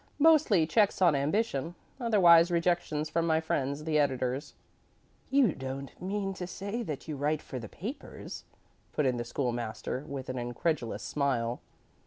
Mostly checks on ambition otherwise, rejections from my friends the editors." "You don't mean to say that you write for the papers?" put in the School master, with an incredulous smile.